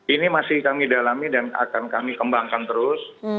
ini masih kami dalami dan akan kami kembangkan terus